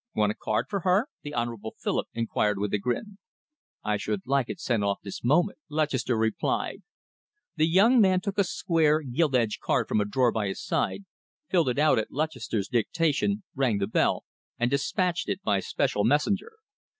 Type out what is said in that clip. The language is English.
"Want a card for her?" the Honourable Philip inquired with a grin. "I should like it sent off this moment," Lutchester replied. The young man took a square, gilt edged card from a drawer by his side, filled it out at Lutchester's dictation, rang the bell, and dispatched it by special messenger.